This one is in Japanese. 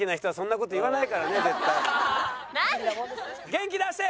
元気出して！